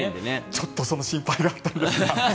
ちょっとそれが心配だったんですが。